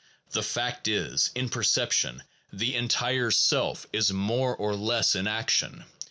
The fact is, in perception the entire self is more or less in action.